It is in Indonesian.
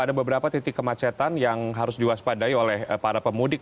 ada beberapa titik kemacetan yang harus diwaspadai oleh para pemudik